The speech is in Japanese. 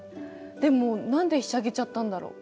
でも何でひしゃげちゃったんだろう？